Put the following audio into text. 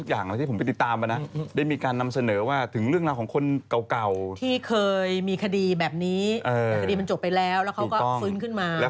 คดีมันจบไปแล้ว